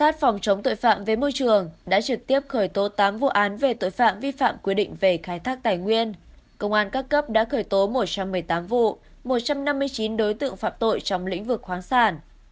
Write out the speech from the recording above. công trường đã trực tiếp khởi tố tám vụ án về tội phạm vi phạm quy định về khai thác tài nguyên công an các cấp đã khởi tố một trăm một mươi tám vụ một trăm năm mươi chín đối tượng phạm tội trong lĩnh vực khoáng sản